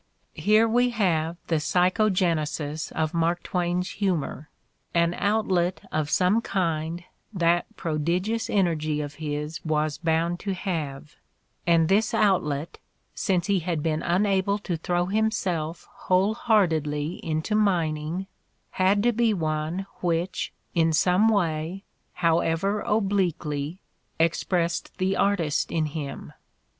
Here we have the psychogenesis of Mark Twain's humor. An outlet of some kind that prodigious energy of his was bound to have, and this outlet, since he had been unable to throw himself whole heartedly into min ing, had to be one which, in some way, however obliquely, expressed the artist in him.